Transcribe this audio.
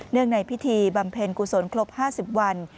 ในพิธีบำเพ็ญกุศลครบ๕๐วัน